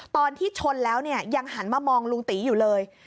ตอนที่ชนแล้วเนี่ยยังหันมามองลุงตีอยู่เลย